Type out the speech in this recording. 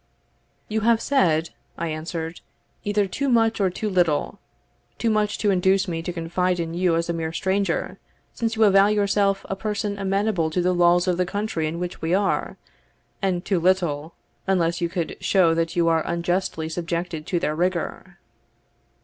"You have said," I answered, "either too much or too little too much to induce me to confide in you as a mere stranger, since you avow yourself a person amenable to the laws of the country in which we are and too little, unless you could show that you are unjustly subjected to their rigour."